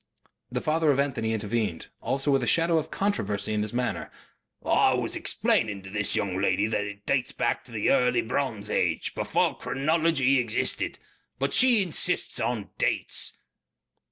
The father of Anthony intervened, also with a shadow of controversy in his manner. "I was explaining to the young lady that it dates from the early bronze age. Before chronology existed.... But she insists on dates."